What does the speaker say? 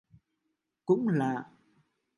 Cũng lạ